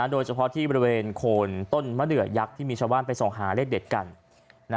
โดยเฉพาะที่บริเวณโคนต้นมะเดือยักษ์ที่มีชาวบ้านไปส่องหาเลขเด็ดกัน